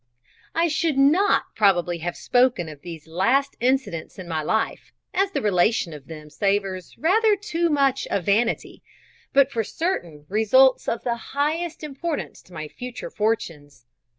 I should not probably have spoken of these last incidents in my life, as the relation of them savours rather too much of vanity, but for certain results of the highest importance to my future fortunes.